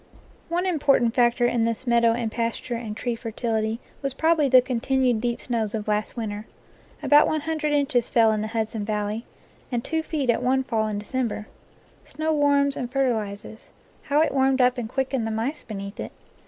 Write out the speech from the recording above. One important factor in this meadow and pasture and tree fertility was probably the continued: deep snows of last winter. About one hundred inches fell in the Hudson Valley, and two feet at one fall in 14 NATURE LORE December. Snow warms and fertilizes. How it warmed up and quickened the mice beneath it!